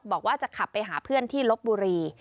บอกว่าจะขับไปหาเพื่อนที่ลบบุรี